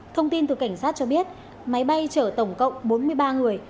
thông tin từ cảnh sát cho biết máy bay chở tổng cộng bốn mươi ba người